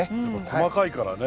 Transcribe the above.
細かいからね。